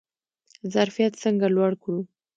ظرفیت څنګه لوړ کړو؟